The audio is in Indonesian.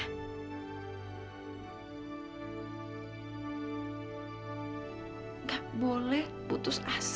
enggak boleh putus asa